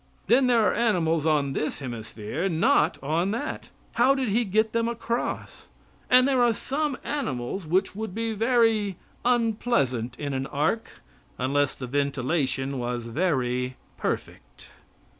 Then there are animals on this hemisphere not on that. How did he get them across? And there are some animals which would be very unpleasant in an ark unless the ventilation was very perfect.